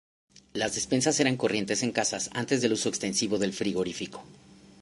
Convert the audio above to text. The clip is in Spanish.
Las despensas eran corrientes en casas antes del uso extensivo del frigorífico.